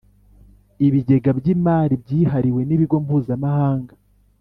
Ibigega by imari byihariwe n’ibigo mpuzamahanga